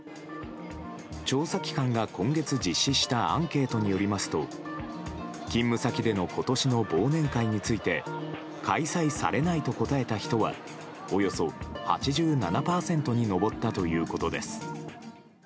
調査機関が今月実施したアンケートによりますと、勤務先でのことしの忘年会について、開催されないと答えた人は、およそ８７％に上ったということです。